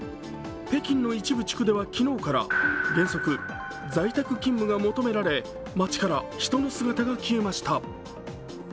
北京の一部地区では昨日から原則在宅勤務が求められ街から人の姿が消えました。